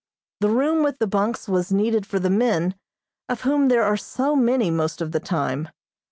The room with the bunks was needed for the men, of whom there are so many most of the time.